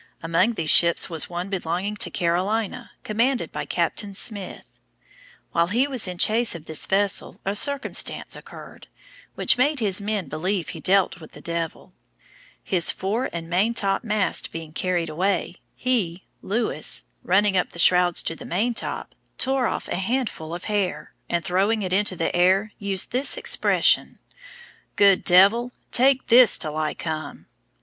Among these ships was one belonging to Carolina, commanded by Capt. Smith. While he was in chase of this vessel a circumstance occurred, which made his men believe he dealt with the devil; his fore and main top mast being carried away, he, Lewis, running up the shrouds to the maintop, tore off a handful of hair, and throwing it into the air used this expression, good devil, take this till I come.